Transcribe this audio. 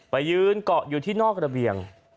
ไปยืนเกาะอยู่ที่นอกระเบียง